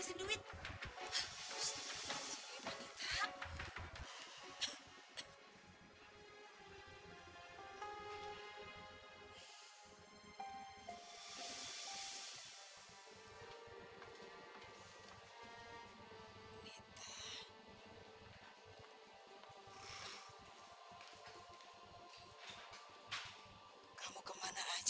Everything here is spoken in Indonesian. sembukalah ibu hamba ya allah